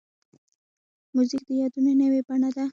موزیک د یادونو نوې بڼه ده.